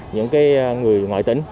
những cái người ngoại tỉnh